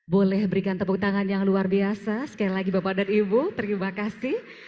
boleh berikan tepuk tangan yang luar biasa sekali lagi bapak dan ibu terima kasih